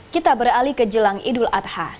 kita beralih ke jelang idul adha